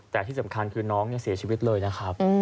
แต่ที่สำคัญคือน้องเสียชีวิตเลยนะครับ